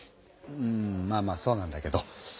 うんまあまあそうなんだけど。